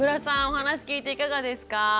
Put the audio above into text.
お話聞いていかがですか？